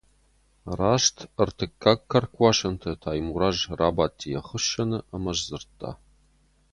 Раст ӕртыккаг кӕркуасӕнты Таймураз рабадти йӕ хуыссӕны ӕмӕ сдзырдта.